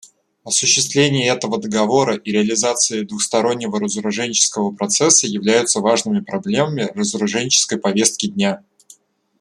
Осуществление этого Договора и реализация двустороннего разоруженческого процесса являются важными проблемами разоруженческой повестки дня.